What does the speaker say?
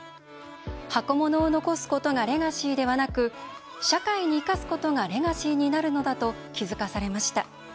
箱物を残すことがレガシーではなく社会に生かすことがレガシーになるのだと気付かされました。